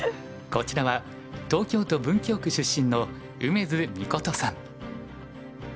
こちらは東京都文京区出身の梅津美琴さん。